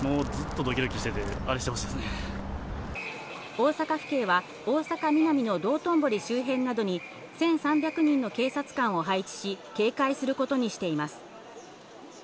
大阪府警は大阪・ミナミの道頓堀周辺などに１３００人の警察官を配置し、警戒することにしています。